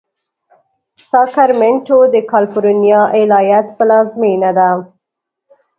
ساکرمنټو د کالفرنیا ایالت پلازمېنه ده.